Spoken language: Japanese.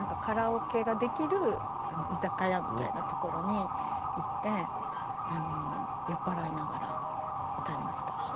カラオケができる居酒屋みたいなところに行って酔っ払いながら歌いました。